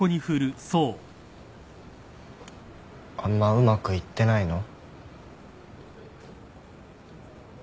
あんまうまくいってないの？